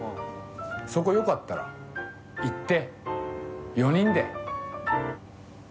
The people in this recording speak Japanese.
そこよかったら行って。